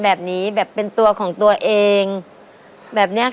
อ่าเชิญครับทั้งสองท่านมาเป็นผู้ช่วยเลยครับ